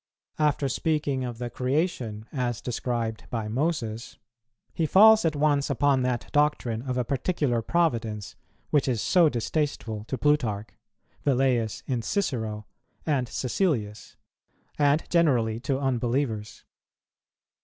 After speaking of the creation, as described by Moses, he falls at once upon that doctrine of a particular providence which is so distasteful to Plutarch, Velleius in Cicero, and Cæcilius, and generally to unbelievers.